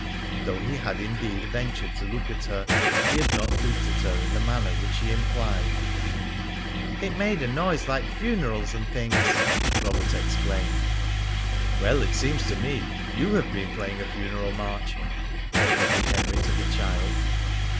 Though he had indeed ventured to look at her, he had not looked at her in the manner which she implied. "It made a noise like funerals and things," Robert explained. "Well, it seems to me, you have been playing a funeral march," said Edward Henry to the child.